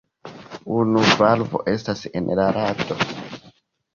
Unu valvo estas en la rado.